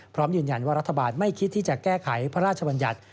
พร้อมยืนยันว่ารัฐบาลไม่คิดที่จะแก้ไขพระราชบัญญัติ